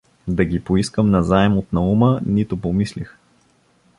Да ги поискам на заем от Наума, нито помислих.